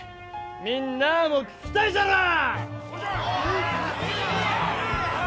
みんなあも聞きたいじゃろう？